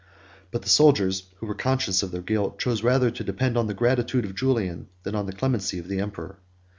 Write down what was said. But the soldiers, who were conscious of their guilt, chose rather to depend on the gratitude of Julian, than on the clemency of the emperor.